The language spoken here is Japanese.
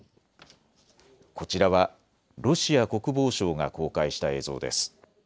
こちらはロシア国防省が公開した映像です。